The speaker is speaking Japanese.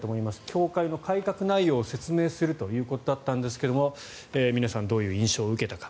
教会の改革内容を説明するということだったんですが皆さんどういう印象を受けたか。